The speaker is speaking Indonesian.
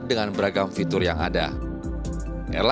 dengan menggambarkan video yang terbaik jadi jasa kamar